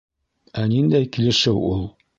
Ә ниндәй килешеү ул?